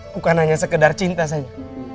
bukan hanya sekedar cinta saja